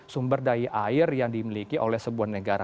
sumber daya air yang dimiliki oleh sebuah negara